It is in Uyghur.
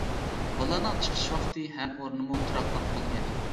بۇلارنىڭ چىقىش ۋاقتى ھەم ئورنىمۇ تۇراقلىق بولمايدۇ.